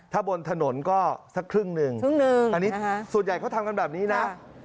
ถ้าบนถนนก็สักครึ่งนึงสุดใหญ่เขาทำกันแบบนี้นะ